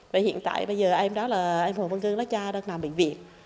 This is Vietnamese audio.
và hiện tại bây giờ em đó là em hồ văn cương đó cha đang làm bệnh viện